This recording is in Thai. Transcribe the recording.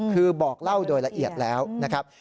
คือบอกเล่าโดยละเอียดแล้วนะครับ